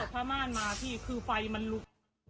พอเสริมผ้าม่านมาคือไฟมันลุก